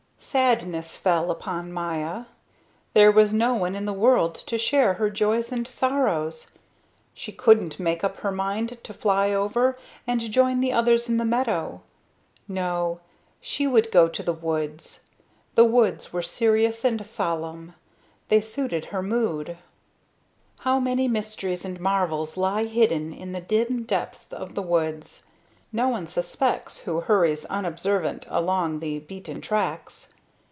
Sadness fell upon Maya. There was no one in the world to share her joys and sorrows. She couldn't make up her mind to fly over and join the others in the meadow. No, she would go to the woods. The woods were serious and solemn. They suited her mood. How many mysteries and marvels lie hidden in the dim depths of the woods, no one suspects who hurries unobservant along the beaten tracks.